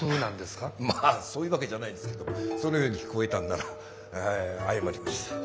まあそういうわけじゃないですけどもそのように聞こえたんなら謝ります。